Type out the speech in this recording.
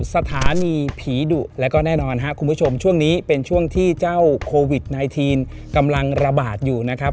สถานีผีดุแล้วก็แน่นอนครับคุณผู้ชมช่วงนี้เป็นช่วงที่เจ้าโควิด๑๙กำลังระบาดอยู่นะครับ